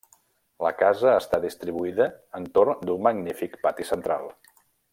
La casa està distribuïda entorn d'un magnífic pati central.